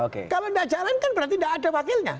kalau nggak jalan kan berarti nggak ada wakilnya